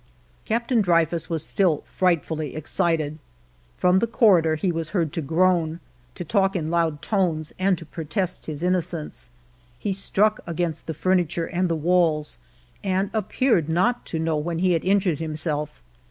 Captain Dreyfus was still frightfully excited. From the corridor he was heard to groan, to talk in loud tones, and to protest his innocence. He struck against the furniture and the walls, and appeared not to know when he had injured himself.